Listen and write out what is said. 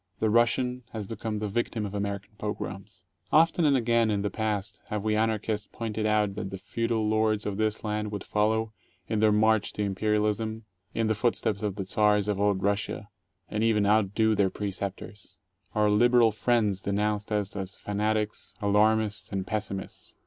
The Russian has become the victim of American pogroms! Often and again in the past have we Anarchists pointed out that the feudal lords of this land would follow, in their march to imperialism, in the footsteps of the Czars of old Russia, and even outdo their preceptors. Our liberal friends denounced us as fanatics, alarmists, and pessimists.